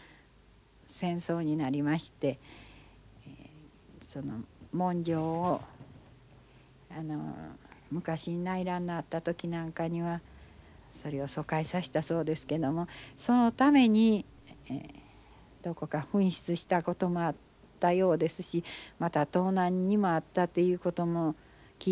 戦争になりましてその文書を昔内乱のあった時なんかにはそれを疎開させたそうですけどもそのためにどこか紛失したこともあったようですしまた盗難にも遭ったということも聞いております。